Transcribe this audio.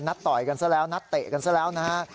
ต่อยกันซะแล้วนัดเตะกันซะแล้วนะฮะ